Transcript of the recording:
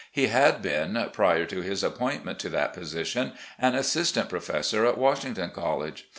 He had been, prior to his appointment to that position, an assistant pro fessor at Washington College.